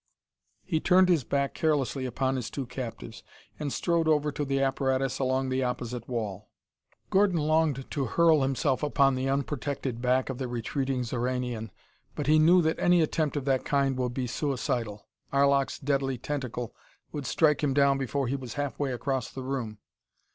He turned his back carelessly upon his two captives and strode over to the apparatus along the opposite wall. Gordon longed to hurl himself upon the unprotected back of the retreating Xoranian, but he knew that any attempt of that kind would be suicidal. Arlok's deadly tentacle would strike him down before he was halfway across the room.